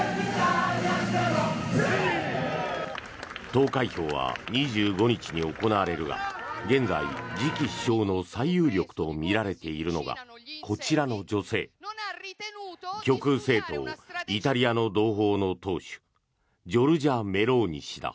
投開票は２５日に行われるが現在、次期首相の最有力とみられているのがこちらの女性極右政党・イタリアの同胞の党首ジョルジャ・メローニ氏だ。